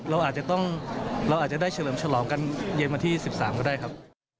เราอาจจะได้เฉลิมฉลองกันเย็นวันที่๑๓ก็ได้ครับ